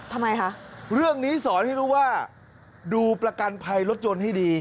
ทำไมคะเรื่องนี้สอนให้รู้ว่าดูประกันภัยรถยนต์ให้ดี